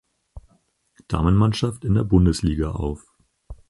Damenmannschaft in der Bundesliga auf.